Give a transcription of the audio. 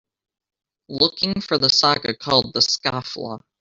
Looking for the saga called The Scofflaw